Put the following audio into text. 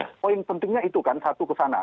tetapi poin pentingnya itu kan satu ke sana